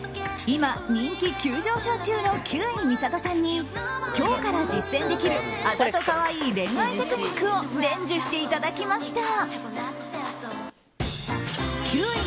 今、人気急上昇中の休井美郷さんに今日から実践できるあざとカワイイ恋愛テクニックを伝授していただきました。